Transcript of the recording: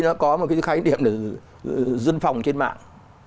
nó có một cái khái niệm là dân phòng trên mạng